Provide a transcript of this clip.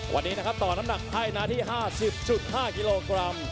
วันนี้นะครับตอนน้ำหนักไทยณที่ห้าสิบจุดห้ากิโลกรัม